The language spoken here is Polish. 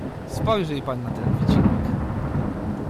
"Spojrzyj pan na ten wycinek."